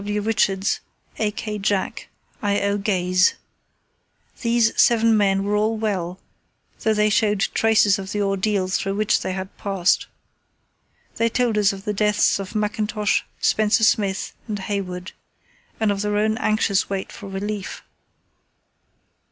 W. Richards, A. K. Jack, I. O. Gaze. These seven men were all well, though they showed traces of the ordeal through which they had passed. They told us of the deaths of Mackintosh, Spencer Smith, and Hayward, and of their own anxious wait for relief.